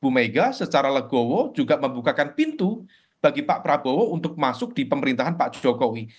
bu mega secara legowo juga membukakan pintu bagi pak prabowo untuk masuk di pemerintahan pak jokowi